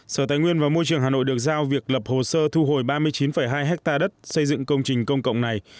sở tài nguyên và môi trường hà nội được giao việc lập hồ sơ thu hồi ba mươi chín hai hectare đất xây dựng công trình công cộng này